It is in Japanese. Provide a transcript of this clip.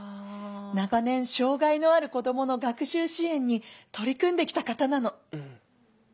長年障害のある子どもの学習支援に取り組んできた方なの」。